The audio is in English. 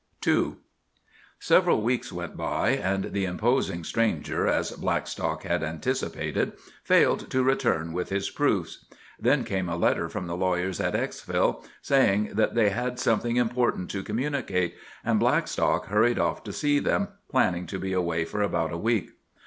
II Several weeks went by, and the imposing stranger, as Blackstock had anticipated, failed to return with his proofs. Then came a letter from the lawyers at Exville, saying that they had something important to communicate, and Blackstock hurried off to see them, planning to be away for about a week.